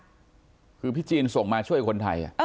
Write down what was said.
ส่วนพวกพี่จีนส่งมาช่วยคนไทย